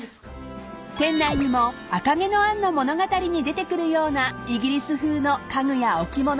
［店内にも『赤毛のアン』の物語に出てくるようなイギリス風の家具や置物が満載］